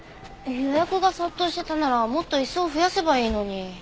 予約が殺到してたならもっと椅子を増やせばいいのに。